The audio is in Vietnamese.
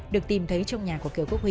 được tìm thấy trong nhà của kiều quốc huy